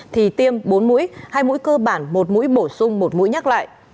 thì tiêm bốn mũi hai mũi cơ bản một mũi bổ sung một mũi nhắc lại